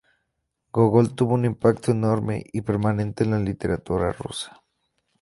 Gógol tuvo un impacto enorme y permanente en la literatura rusa.